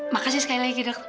makasih sekali lagi dok